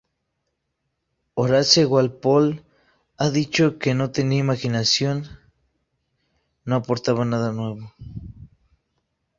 Horace Walpole ha dicho que "no tenía imaginación, no aportaba nada nuevo".